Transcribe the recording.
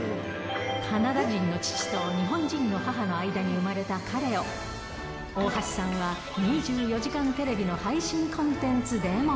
カナダ人の父と日本人の母の間に生まれた彼を、大橋さんは２４時間テレビの配信コンテンツでも。